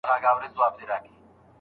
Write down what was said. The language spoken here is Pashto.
که په برخه یې د ښکار غوښي نعمت وو